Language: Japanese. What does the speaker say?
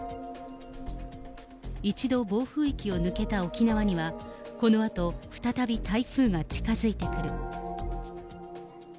一度暴風域を抜けた沖縄には、このあと再び台風が近づいてくる。